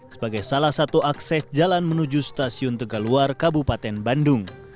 sebagai salah satu akses jalan menuju stasiun tegaluar kabupaten bandung